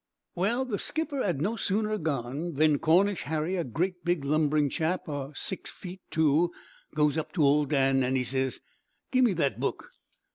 "Well, the skipper 'ad no sooner gone, than Cornish Harry, a great big lumbering chap o' six feet two, goes up to old Dan, an' he ses, 'Gimme that book.'